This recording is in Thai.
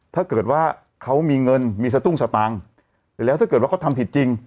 ถ้าเกิดว่าเขามีเงินมีสตุ้งสตังค์แล้วถ้าเกิดว่าเขาทำผิดจริง